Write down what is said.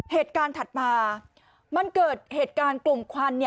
เหตุการณ์ถัดมามันเกิดเหตุการณ์กลุ่มควัน